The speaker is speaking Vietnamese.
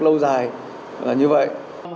lâu dài là như vậy